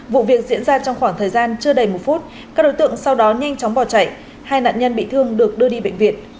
vụ việc diễn ra trong khoảng thời gian chưa đầy một phút các đối tượng sau đó nhanh chóng bỏ chạy hai nạn nhân bị thương được đưa đi bệnh viện